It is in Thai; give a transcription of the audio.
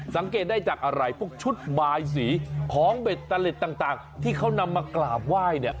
สังเกตได้จากอะไรพวกชุดบายสีของเบ็ดตะเล็ดต่างที่เขานำมากราบไหว้เนี่ย